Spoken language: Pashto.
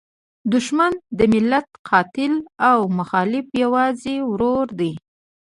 دوښمن د ملت قاتل او مخالف یوازې ورور دی.